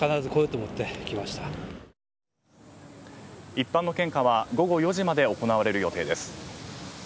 一般の献花は午後４時まで行われる予定です。